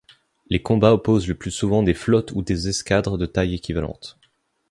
Les combats opposent le plus souvent des flottes ou des escadres de tailles équivalentes.